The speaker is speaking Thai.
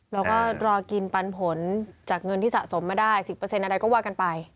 แล้วก็รอกินปันผลจากเงินที่สะสมมาได้๑๐อะไรก็ว่ากันไป